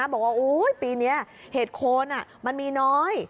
บอกว่าปีนี้เห็ดโคนมันมีน้อย